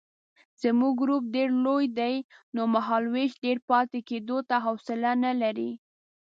زموږ ګروپ ډېر لوی دی نو مهالوېش ډېر پاتې کېدو ته حوصله نه لري.